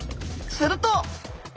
すると。